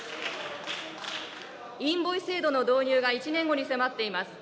インボイス制度の導入が１年後に迫っています。